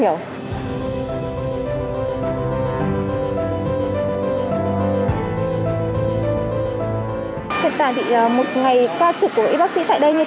hiện tại thì một ngày qua trực của y bác sĩ tại đây như thế nào thưa đồng chí